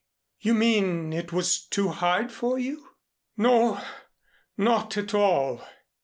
You mean it was too hard for you?" "No, not at all.